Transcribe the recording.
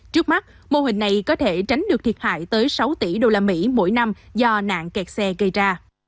trước mắt mô hình này có thể tránh được thiệt hại tới sáu tỷ usd mỗi năm do nạn kẹt xe gây ra